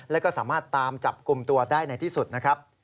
แล้วก็สามารถตามจับกลุ่มตัวได้ในที่สุดนะครับ